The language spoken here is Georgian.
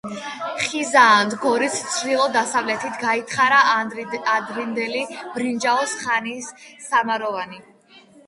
ხიზაანთ გორის ჩრდილო-დასავლეთით გაითხარა ადრინდელი ბრინჯაოს ხანის სამაროვანი.